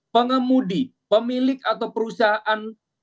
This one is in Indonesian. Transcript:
pengemudi pemilik atau perusahaan